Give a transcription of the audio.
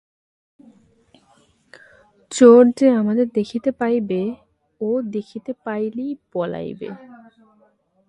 চোর যে আমাদের দেখিতে পাইবে ও দেখিতে পাইলেই পলাইবে।